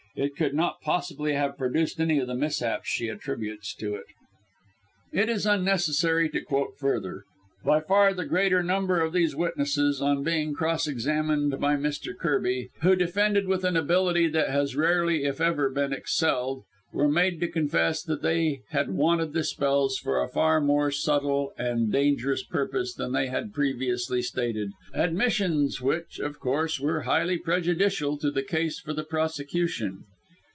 It could not possibly have produced any of the mishaps she attributes to it." It is unnecessary to quote further. By far the greater number of these witnesses, on being cross examined by Mr. Kirby, who defended with an ability that has rarely, if ever, been excelled, were made to confess that they had wanted the spells for a far more subtle and dangerous purpose than they had previously stated; admissions which, of course, were highly prejudicial to the case for the prosecution.